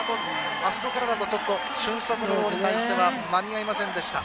あそこからだと俊足で間に合いませんでした。